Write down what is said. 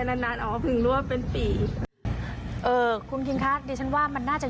ขวดน้ำปลาตอนที่เขาเอามาลงคิดว่าเป็นขวดน้ำปลา